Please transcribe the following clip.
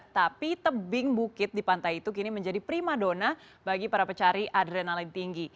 tapi tebing bukit di pantai itu kini menjadi prima dona bagi para pecari adrenalin tinggi